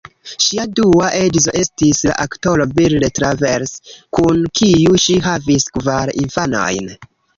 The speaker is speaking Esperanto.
Ŝia dua edzo estis la aktoro Bill Travers, kun kiu ŝi havis kvar infanojn.